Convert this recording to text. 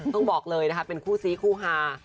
ต้องบอกเลยนะคะเป็นคู่ซีคู่ฮา